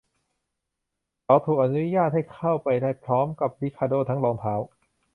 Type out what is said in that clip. เขาถูกอนุญาตให้เข้าไปได้พร้อมกับริคาโด้ทั้งรองเท้า